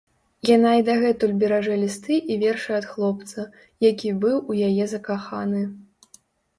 Яна і дагэтуль беражэ лісты і вершы ад хлопца, які быў у яе закаханы.